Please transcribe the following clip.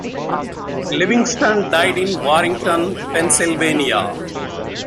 Livingston died in Warrington, Pennsylvania.